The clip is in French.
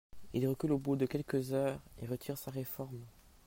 Il recule au bout de quelques heures et retire sa réforme.